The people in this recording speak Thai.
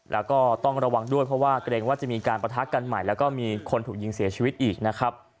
แล้วก็ต้องระวังด้วยเพราะว่าเกรงว่าจะมีการประทะกันใหม่แล้วก็มีคนถูกยิงเสียชีวิตอีกนะครับ